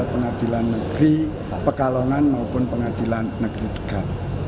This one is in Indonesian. pengadilan negeri pekalongan maupun pengadilan negeri tegal